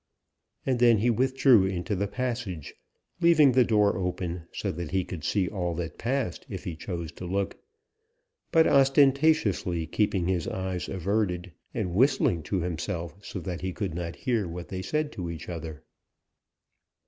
And then he withdrew into the passage, leaving the door open, so that he could see all that passed if he chose to look, but ostentatiously keeping his eyes averted, and whistling to himself, so that he could not hear what they said to each other.